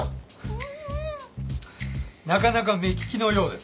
なかなか目利きのようですね。